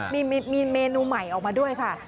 มีเมนูใหม่ออกมาด้วยค่ะ